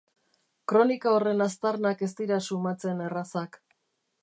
Kronika horren aztarnak ez dira sumatzen errazak.